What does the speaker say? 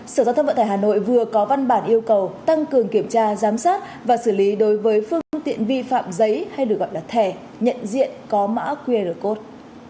sở giao thông vận tải hà nội vừa có văn bản yêu cầu tăng cường kiểm tra giám sát và xử lý đối với phương tiện vi phạm giấy hay được gọi là thẻ nhận diện có mã qr code